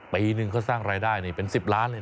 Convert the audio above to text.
ปีนึงเขาสร้างรายได้เป็น๑๐ล้านเลยนะ